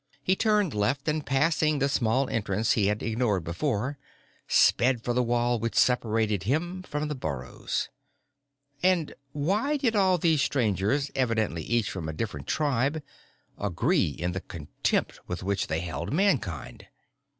He turned left and, passing the small entrance he had ignored before, sped for the wall which separated him from the burrows. And why did all these Strangers, evidently each from a different tribe, agree in the contempt with which they held Mankind?